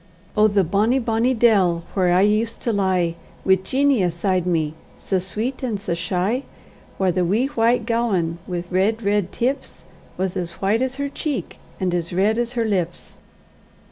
Oh! the bonny, bonny dell, whaur I used to lie Wi' Jeanie aside me, sae sweet and sae shy! Whaur the wee white gowan wi' reid reid tips, Was as white as her cheek and as reid as her lips.